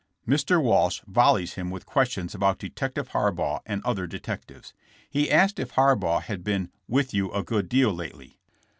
Mr. Walsh volleys him with questions about Detective Harbaugh and other detectives. He asked if Harbaugh had been '' with you a good deal lately.